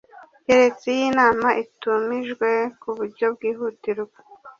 keretse iyo inama itumijwe ku buryo bwihutirwa